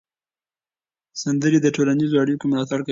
سندرې د ټولنیزو اړیکو ملاتړ کوي.